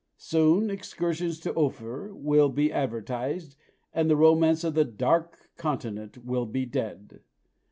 Soon "excursions to Ophir" will be advertised, and the romance of the "Dark Continent" will be dead!